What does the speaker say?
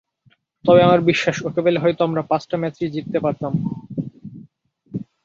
তবে আমার বিশ্বাস, ওকে পেলে হয়তো আমরা পাঁচটা ম্যাচই জিততে পারতাম।